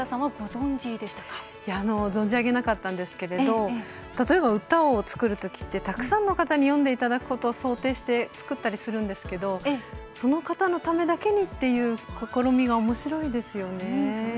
存じ上げなかったんですが例えば、歌を作るときってたくさんの方に読んでいただくことを想定して作ったりするんですけどその方のためだけにっていう試みおもしろいですよね。